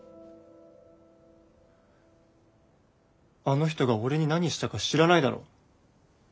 あの人が俺に何したか知らないだろ。